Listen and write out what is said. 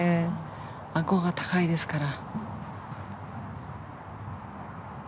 あごが高いですから。